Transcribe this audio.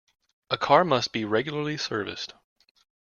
A car must be regularly serviced.